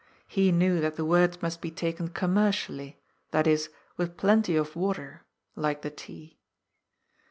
He knew that the words must be taken commercially, that is, with plenty of water — like the tea.